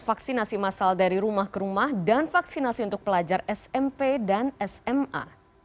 vaksinasi masal dari rumah ke rumah dan vaksinasi untuk pelajar smp dan sma